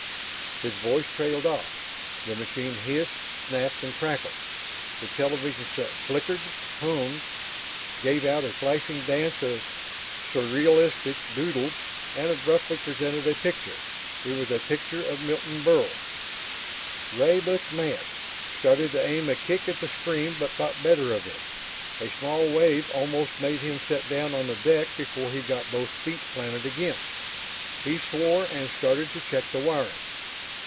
His voice trailed off. The machine hissed, snapped, and crackled. The television set flickered, hummed, gave out a flashing dance of surrealistic doodles, and abruptly presented a picture. It was a picture of Milton Berle. Ray looked mad, started to aim a kick at the screen but thought better of it. A small wave almost made him sit down on the deck before he got both feet planted again. He swore and started to check the wiring.